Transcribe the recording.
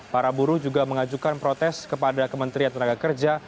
para buruh juga mengajukan protes kepada kementerian tenaga kerja